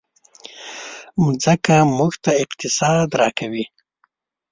مځکه موږ ته اقتصاد راکوي.